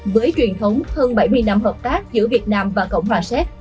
với truyền thống hơn bảy mươi năm hợp tác giữa việt nam và cộng hòa séc